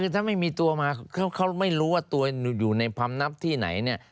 ถ้าไม่มีตัวมาเขาไม่รู้ว่าตัวอยู่ในพำนับที่ไหนเนี่ย